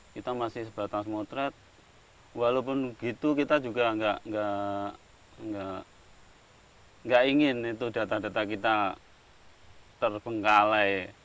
kita masih sebatas motret walaupun begitu kita juga nggak ingin itu data data kita terbengkalai